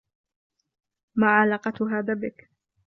ما علاقة هذا بك؟